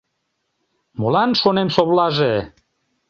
Молан, шонем, совлаже?